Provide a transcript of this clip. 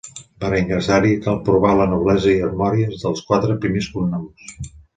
Per a ingressar-hi cal provar la noblesa i armories dels quatre primers cognoms.